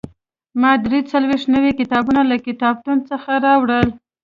ما درې څلوېښت نوي کتابونه له کتابتون څخه راوړل.